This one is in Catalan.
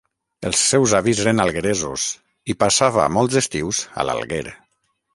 Els seus avis eren algueresos i passava molts estius a l'Alguer.